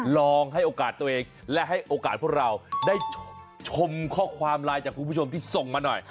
ลองให้โอกาสตัวเองและให้โอกาสพวกเราได้ชมข้อความไลน์จากคุณผู้ชมที่ส่งมาหน่อย